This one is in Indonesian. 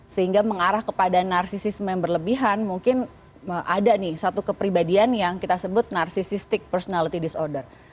sehingga mengarah kepada narsisme yang berlebihan mungkin ada nih satu kepribadian yang kita sebut narsistik personality disorder